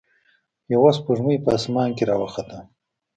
یوه سپوږمۍ په اسمان کې راوخته.